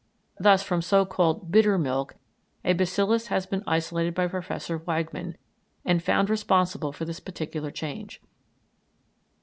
Thus, from so called "bitter" milk a bacillus has been isolated by Professor Weigmann, and found responsible for this particular change.